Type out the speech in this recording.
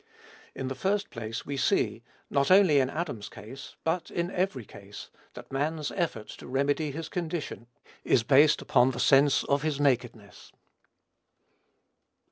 In the first place we see, not only in Adam's case, but in every case, that man's effort to remedy his condition is based upon the sense of his nakedness.